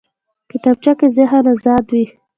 کتابچه کې ذهن ازاد وي